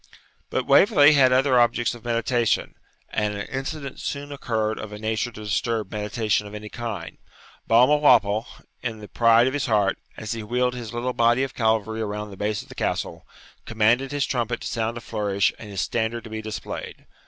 But Waverley had other objects of meditation, and an incident soon occurred of a nature to disturb meditation of any kind. Balmawhapple, in the pride of his heart, as he wheeled his little body of cavalry round the base of the Castle, commanded his trumpet to sound a flourish and his standard to be displayed.